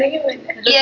iya sekali lagi banyak